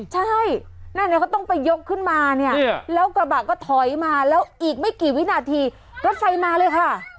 ใช่นั่นเขาต้องไปยกขึ้นมาเนี่ยแล้วกระบะก็ถอยมาแล้วอีกไม่กี่วินาทีรถไฟมาเลยค่ะ